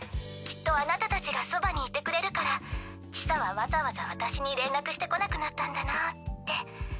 きっとあなたたちがそばにいてくれるから千紗はわざわざ私に連絡してこなくなったんだなぁって。